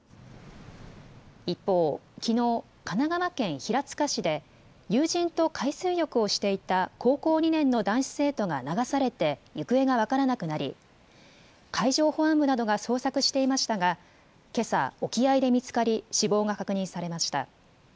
一方、きのう神奈川県平塚市で友人と海水浴をしていた高校２年の男子生徒が流されて行方が分からなくなり海上保安部などが捜索していましたがけさ、沖合で見つかり死亡が確認されました。